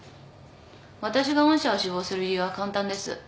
私が御社を志望する理由は簡単です。